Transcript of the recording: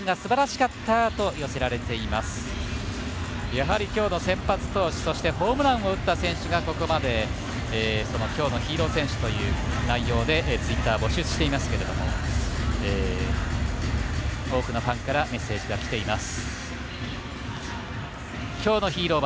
やはり、今日の先発投手としてホームランを打った選手がここまで「きょうのヒーロー選手」という内容でツイッター募集していますけれども多くのファンからメッセージがきています。